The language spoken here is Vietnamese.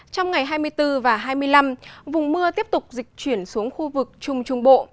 trong ngày hai mươi bốn và hai mươi năm vùng mưa tiếp tục dịch chuyển xuống khu vực trung trung bộ